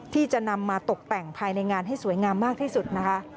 ที่จะนำมาตกแต่งภายในงานให้สวยงามมากที่สุดนะคะ